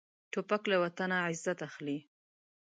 توپک له وطن عزت اخلي.